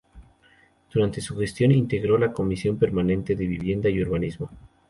Durante su gestión integró la Comisión Permanente de Vivienda y Urbanismo.